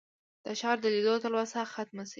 د ښار د لیدو تلوسه ختمه شي.